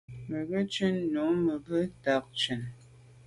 Mə ghʉ̌ nshun ncʉ’ Mə ghʉ̌ tà’ nshunə.